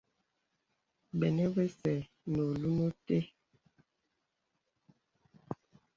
Bənə acə nə olùn té.